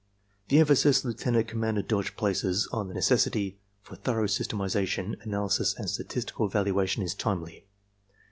The emphasis Lieut. Commander Dodge places on the neces sity for thorough systematization, analysis and statistical evaluation is timely.